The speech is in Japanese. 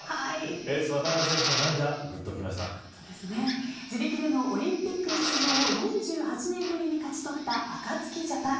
エース渡邊選手の涙自力でのオリンピック出場を４８年ぶりに勝ち取ったアカツキジャパン。